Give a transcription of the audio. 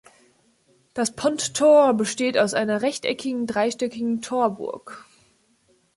Das Ponttor besteht aus einer rechteckigen dreistöckigen Torburg.